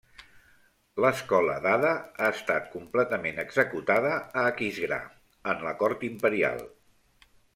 L'escola d'Ada ha estat completament executada a Aquisgrà, en la cort imperial.